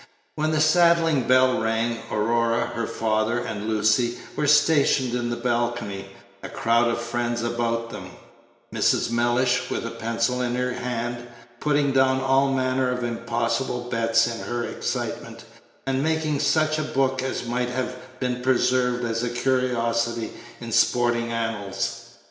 When the saddling bell rang, Aurora, her father, and Lucy were stationed in the balcony, a crowd of friends about them; Mrs. Mellish, with a pencil in her hand, putting down all manner of impossible bets in her excitement, and making such a book as might have been preserved as a curiosity in sporting annals.